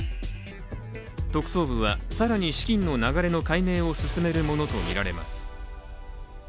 特捜部は、更に資金の流れの解明を進めるものとみられます。